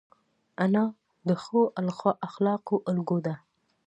انا د ښو اخلاقو الګو ده